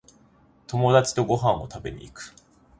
友達とご飯を食べに行く